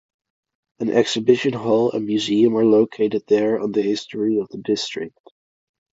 An exhibition hall and museum are located there on the history of the district.